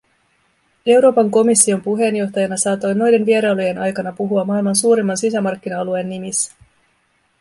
Euroopan komission puheenjohtajana saatoin noiden vierailujen aikana puhua maailman suurimman sisämarkkina-alueen nimissä.